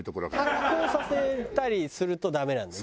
発酵させたりするとダメなんだよ。